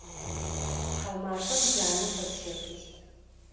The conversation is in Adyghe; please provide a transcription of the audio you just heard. Тхьаумафэм джанэ къэсщэфыщт.